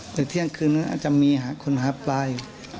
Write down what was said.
แต่เที่ยงคืนนั้นอาจจะมีคนหาปลาย